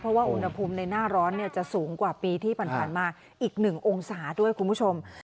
เพราะว่าอุณหภูมิในหน้าร้อนจะสูงกว่าปีที่ผ่านมาอีก๑องศาด้วยคุณผู้ชม